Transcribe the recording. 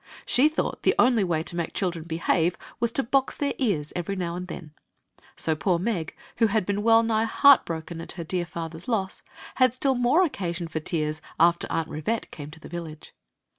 She thought the only way to make children behave was to box their ears every now and then ; so poor Meg, who had been well nigh heart broken at her dear father's ic^ had still more occasion for tears after Aunt Rivette came to the village.